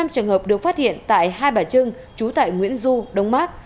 năm trường hợp được phát hiện tại hai bà trưng trú tại nguyễn du đông mát